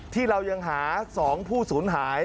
ที่เรายังหา๒ผู้สูญหาย